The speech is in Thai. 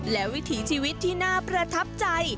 และวิถีชีวิตที่น่าประทับใจ